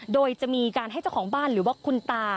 โดยจะมีการให้เจ้าของบ้านหรือว่าคุณตา